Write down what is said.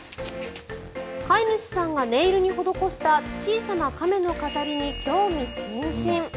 飼い主さんがネイルに施した小さな亀の飾りに興味津々。